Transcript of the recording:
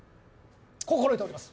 心得ております。